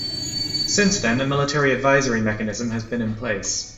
Since then, a Military Advisory Mechanism has been in place.